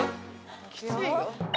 きついよ。